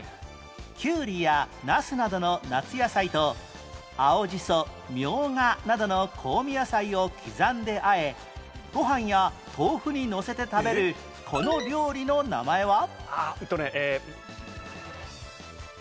キュウリやナスなどの夏野菜と青ジソミョウガなどの香味野菜を刻んであえご飯や豆腐にのせて食べるこの料理の名前は？え。